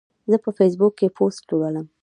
زه په فیسبوک کې پوسټ لولم.